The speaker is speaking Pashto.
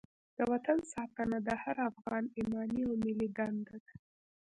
د وطن ساتنه د هر افغان ایماني او ملي دنده ده.